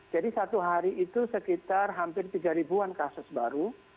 jadi satu hari itu sekitar hampir tiga ribu an kasus baru